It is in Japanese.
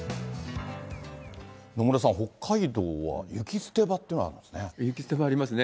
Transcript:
野村さん、北海道は雪捨て場っていうのがあるんですね。